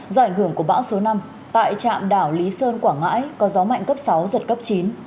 do ảnh hưởng của bão số năm tại trạm đảo lý sơn quảng ngãi có gió mạnh cấp sáu giật cấp chín